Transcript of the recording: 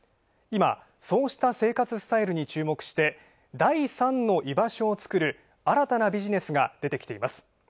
今、そうした生活スタイルに注目して第３の居場所を作る、新たなビジネスが出てきています。